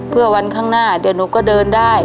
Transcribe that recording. เพื่อวันข้างหน้าเดี๋ยวหนูก็เดินได้